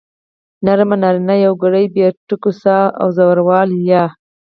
نرمه نارينه يوگړې بې ټکو ساده او زورواله يا